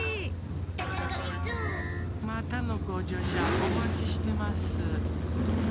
「デテコイス」またのごじょうしゃおまちしてます。